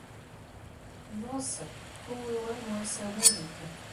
Nossa, como eu amo essa música.